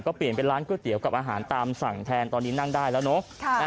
ก็เปลี่ยนเป็นร้านก๋วยเตี๋ยวกับอาหารตามสั่งแทนตอนนี้นั่งได้แล้วเนอะ